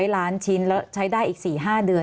สำหรับกำลังการผลิตหน้ากากอนามัย